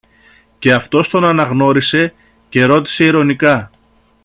Και αυτός τον αναγνώρισε, και ρώτησε ειρωνικά